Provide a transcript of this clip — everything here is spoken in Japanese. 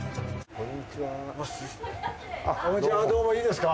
こんにちはどうもいいですか？